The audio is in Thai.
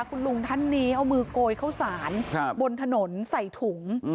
คุณลุงท่านนี้เอามือโกยเข้าสารบนถนนใส่ถุง